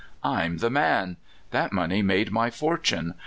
I 'm the man. Thai money made my fortune.